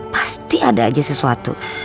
pasti ada aja sesuatu